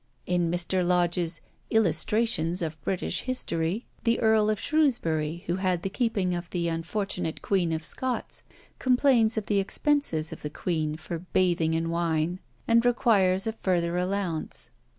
In Mr. Lodge's "Illustrations of British History," the Earl of Shrewsbury, who had the keeping of the unfortunate Queen of Scots, complains of the expenses of the queen for bathing in wine, and requires a further allowance.